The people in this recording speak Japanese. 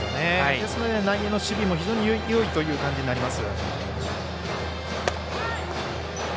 ですので、内野の守備も非常によいという感じになります。